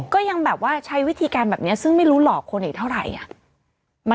ก็ยังแบบว่าใช้วิธีการแบบนี้ซึ่งไม่รู้หลอกคนอีกเท่าไหร่